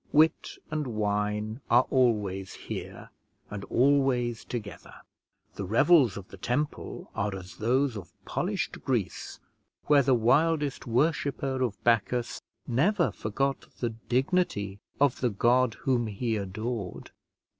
Wit and wine are always here, and always together; the revels of the Temple are as those of polished Greece, where the wildest worshipper of Bacchus never forgot the dignity of the god whom he adored.